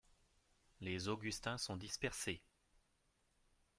Les augustins sont dispersés.